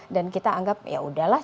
dan kita anggap ya udahlah